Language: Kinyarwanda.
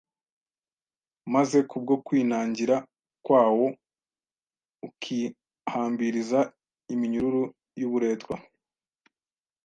maze kubwo kwinangira kwawo ukihambiriza iminyururu y'uburetwa.